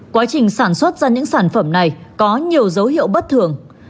quá trình sản xuất ra những sản phẩm này có nhiều dấu hiệu bất thường